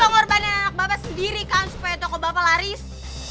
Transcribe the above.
mengorbanin anak bapak sendiri kan supaya toko bapak laris